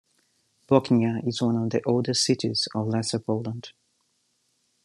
Bochnia is one of the oldest cities of Lesser Poland.